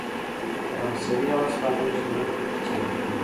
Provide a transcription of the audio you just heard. فرانسوي او هسپانوي ژبې هم پکې څیړل کیږي.